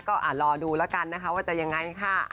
ใช่เป็นห่วงอยู่